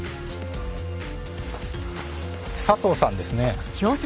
佐藤さんですね。